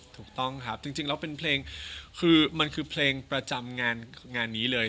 ถูกต้องครับจริงแล้วเป็นเพลงคือมันคือเพลงประจำงานนี้เลย